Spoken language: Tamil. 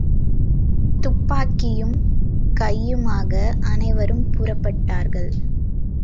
துப்பாக்கியும் கையுமாக அனைவரும் புறப்பட்டார்கள்.